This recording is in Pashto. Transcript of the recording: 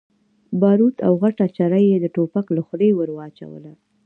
باروت او غټه چره يې د ټوپک له خولې ور واچوله.